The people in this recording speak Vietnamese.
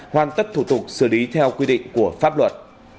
hoàn tất thủ tục xử lý theo quy định của pháp luật